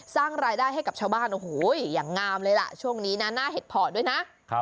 สร้างรายได้ให้กับชาวบ้านโอ้โหอย่างงามเลยล่ะช่วงนี้นะหน้าเห็ดเพาะด้วยนะ